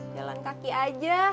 jalan kaki aja